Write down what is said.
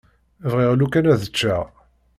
Bɣiɣ lukan ad ččeɣ.